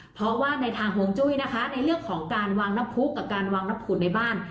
เพราะว่าในทางห่วงจุ้ยนะคะในเรื่องของการวางน้ำพุกกับการวางน้ำผุดในบ้าน